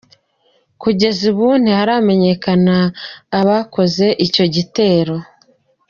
Gushika ubu ntiharamenyekana abakoze ico gitero.